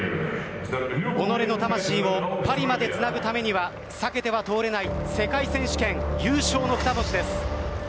己の魂をパリまでつなぐためには避けては通れない世界選手権、優勝の２文字です。